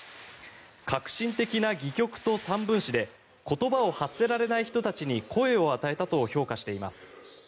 革新的な戯曲と散文詩で言葉を発せられない人たちに声を与えたと評価しています。